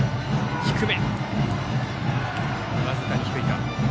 低め。